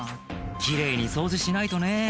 「奇麗に掃除しないとね」